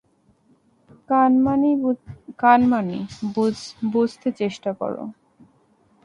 কানমাণি, বোঝতে চেষ্টা করো।